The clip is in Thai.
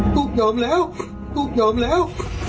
ตุ๊กยอมแล้วตุ๊กยอมแล้ว